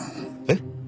えっ？